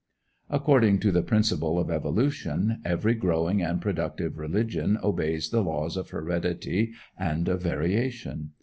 According to the principle of evolution, every growing and productive religion obeys the laws of heredity and of variation.